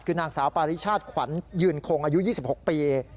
คือนางสาวปาริชาติขวัญยืนคงอายุ๒๖ปี